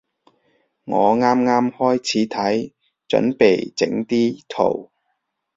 我啱啱開始睇，準備整啲圖